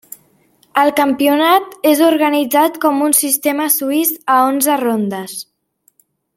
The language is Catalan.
El campionat és organitzat com un sistema suís a onze rondes.